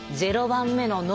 ０番目の脳？